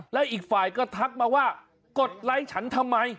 แล้วอีกฝ่ายก็ทักมาว่ากดไลค์ฉันทำไม